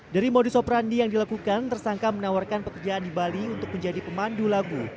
dari modus operandi yang dilakukan tersangka menawarkan pekerjaan di bali untuk menjadi pemandu lagu